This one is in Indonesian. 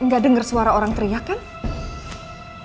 nggak dengar suara orang teriak kan